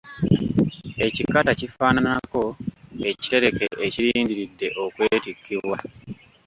Ekikata kifaananako ekitereke ekirindiridde okwetikkibwa.